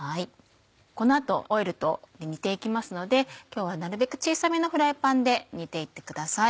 この後オイルで煮ていきますので今日はなるべく小さめのフライパンで煮ていってください。